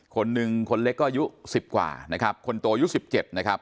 คนหนึ่งคนเล็กก็อายุ๑๐กว่านะครับคนโตอายุ๑๗นะครับ